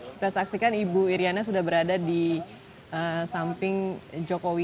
kita saksikan ibu iryana sudah berada di samping jokowi